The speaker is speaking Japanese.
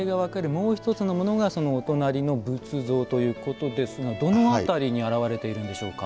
もう一つのものがそのお隣の仏像ということですがどの辺りに現れているんでしょうか。